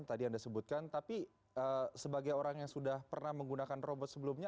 tadi anda sebutkan tapi sebagai orang yang sudah pernah menggunakan robot sebelumnya